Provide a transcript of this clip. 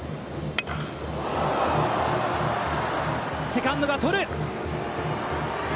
セカンドが捕る！